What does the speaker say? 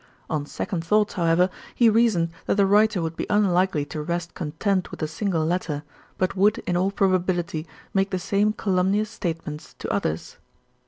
On second thoughts, however, he reasoned that the writer would be unlikely to rest content with a single letter; but would, in all probability, make the same calumnious statements to others.